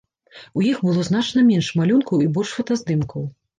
У іх было значна менш малюнкаў і больш фотаздымкаў.